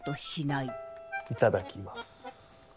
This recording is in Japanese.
いただきます。